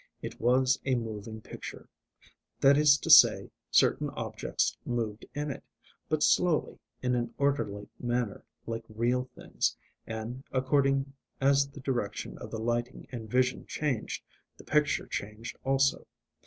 It was a moving picture: that is to say, certain objects moved in it, but slowly in an orderly manner like real things, and, according as the direction of the lighting and vision changed, the picture changed also.